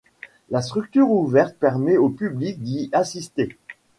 La structure ouverte permet au public d'y assister.